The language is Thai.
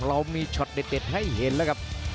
เรามีช็อตเด็ดให้เห็นแล้วครับ